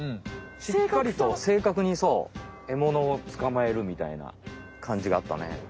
しっかりとせいかくにそうエモノをつかまえるみたいな感じがあったね。